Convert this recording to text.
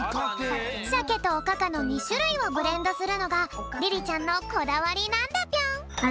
しゃけとおかかの２しゅるいをブレンドするのがリリちゃんのこだわりなんだぴょん。